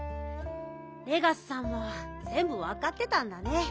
レガスさんはぜんぶわかってたんだね。